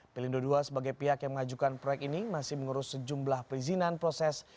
pelindo ii sebagai pihak yang mengajukan proyek ini masih mengurus sejumlah perizinan proses